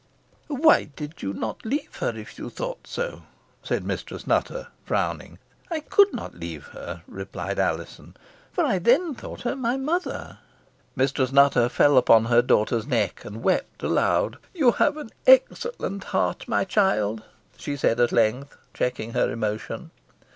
"Why did you not leave her if you thought so?" said Mistress Nutter, frowning. "I could not leave her," replied Alizon, "for I then thought her my mother." Mistress Nutter fell upon her daughter's neck, and wept aloud. "You have an excellent heart, my child," she said at length, checking her emotion.